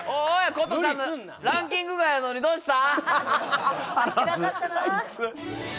香都ちゃんのランキング外やのにどうした？